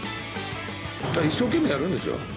一生懸命やるんですよ。